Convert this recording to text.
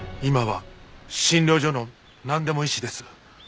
今は診療所のなんでも医師です。